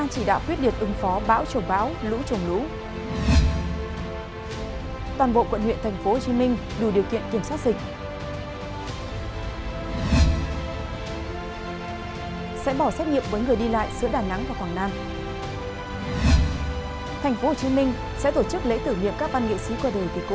hãy đăng ký kênh để ủng hộ kênh của chúng mình nhé